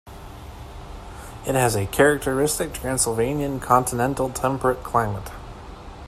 It has a characteristic Transylvanian continental temperate climate.